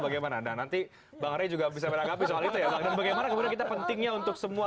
bagaimana dan nanti bang ray juga bisa beranggap soal itu ya bagaimana kita pentingnya untuk semua